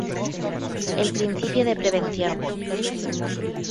El "Principio de Prevención".